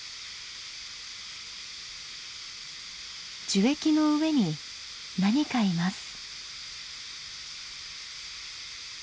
樹液の上に何かいます。